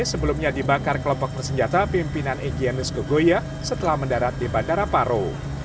sebelumnya dibakar kelompok bersenjata pimpinan igyanus kogoya setelah mendarat di bandara paro